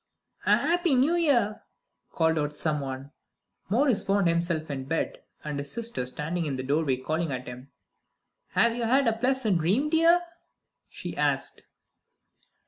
"A happy New Year!" called some one; and Maurice found himself in bed, and his sister standing in the doorway smiling at him. "Have you had a pleasant dream, dear?" she asked.